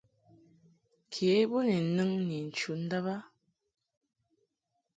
Ke bo ni nɨŋ ni chu ndàb a.